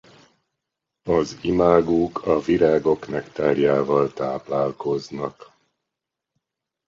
Az imágók a virágok nektárjával táplálkoznak.